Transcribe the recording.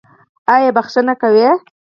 ایا بخښنه کوئ؟